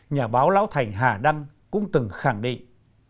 nhà báo lão thành hà đăng cũng từng khẳng định